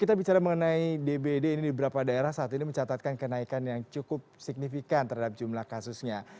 kita bicara mengenai dbd ini di beberapa daerah saat ini mencatatkan kenaikan yang cukup signifikan terhadap jumlah kasusnya